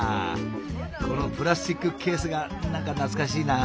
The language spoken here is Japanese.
このプラスチックケースが何か懐かしいな。